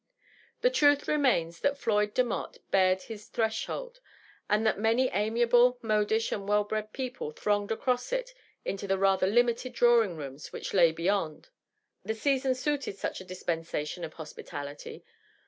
The truth remains that Floyd Demotte bared his tnreshold, and that many amiable, modish and well bred people thronged across it into the rather limited drawing rooms which lay be yond. The season suited such a dispensation of hospitality.